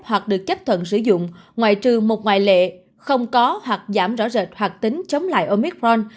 hoặc được chấp thuận sử dụng ngoại trừ một ngoại lệ không có hoặc giảm rõ rệt hoạt tính chống lại omicron